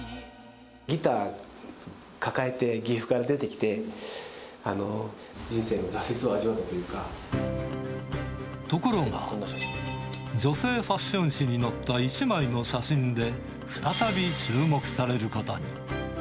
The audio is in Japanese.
ギター抱えて、岐阜から出てきて、ところが、女性ファッション誌に載った１枚の写真で、再び注目されることに。